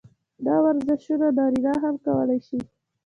دا ورزشونه نارينه هم کولے شي -